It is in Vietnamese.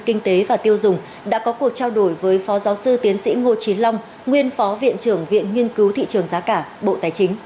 kinh tế và tiêu dùng đã có cuộc trao đổi với phó giáo sư tiến sĩ ngô trí long nguyên phó viện trưởng viện nghiên cứu thị trường giá cả bộ tài chính